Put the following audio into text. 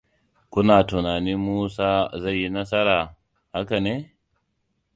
Kuna tunanin Musa zai yi nasara, haka ne?